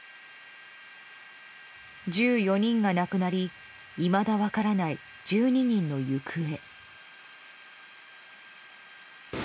１４人が亡くなりいまだ分からない１２人の行方。